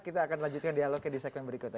kita akan lanjutkan dialognya di segmen berikutnya